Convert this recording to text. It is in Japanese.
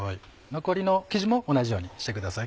残りの生地も同じようにしてください。